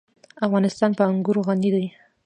افغانستان په انګور غني دی.